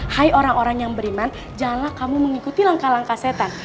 hai orang orang yang beriman janganlah kamu mengikuti langkah langkah setan